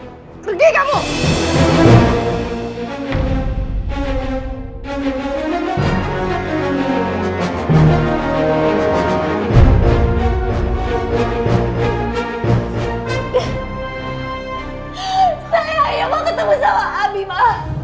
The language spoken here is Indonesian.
aku mau ketemu dengan abi ma